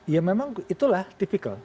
ya memang itulah tipikal